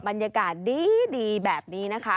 บรรยากาศดีแบบนี้นะคะ